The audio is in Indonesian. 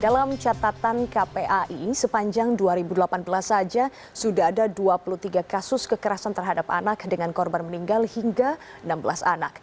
dalam catatan kpai sepanjang dua ribu delapan belas saja sudah ada dua puluh tiga kasus kekerasan terhadap anak dengan korban meninggal hingga enam belas anak